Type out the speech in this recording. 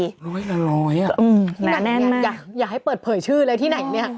ร้อยละร้อยอ่ะอย่าให้เปิดเผยชื่อเลยที่ไหนเนี่ย